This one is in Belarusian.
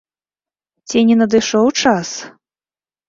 Ці не надышоў час?